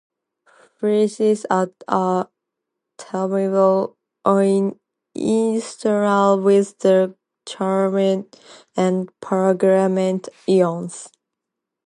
Ferrate is a tetrahedral ion isostructural with the chromate and permanganate ions.